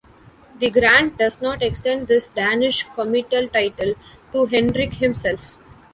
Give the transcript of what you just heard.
The grant does not extend this Danish comital title to Henrik himself.